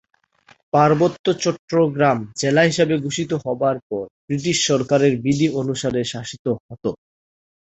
পার্বত্য চট্টগ্রাম জেলা হিসেবে ঘোষিত হবার পর ব্রিটিশ সরকারের বিধি অনুসারে শাসিত হতো।